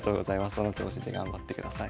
その調子で頑張ってください。